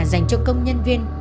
dành cho công nhân viên